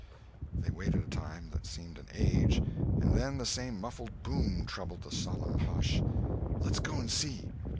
They waited a time that seemed an age, and then the same muffled boom troubled the solemn hush. "Let's go and see."